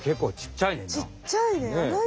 ちっちゃいね。